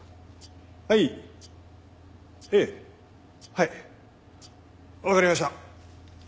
はいわかりました。